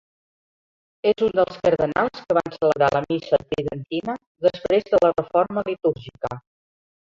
És un dels cardenals que van celebrar la missa tridentina després de la reforma litúrgica.